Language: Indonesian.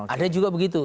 ada juga begitu